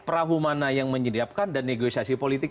perahu mana yang menyediakan dan negosiasi politik